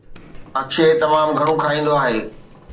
اڪشي تمام گهڻو کائيندو آهي